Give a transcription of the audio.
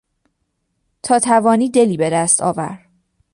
تا توانی دلی بهدست آور...